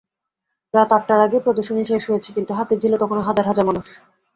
রাত আটটার আগেই প্রদর্শনী শেষ হয়েছে, কিন্তু হাতিরঝিলে তখনো হাজার হাজার মানুষ।